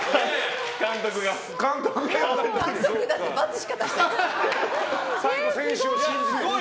監督、だって×しか出してない。